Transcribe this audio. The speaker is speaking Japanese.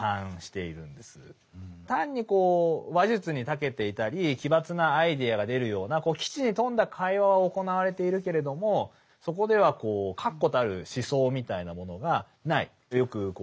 単に話術に長けていたり奇抜なアイデアが出るような機知に富んだ会話は行われているけれどもそこでは確固たる思想みたいなものがない。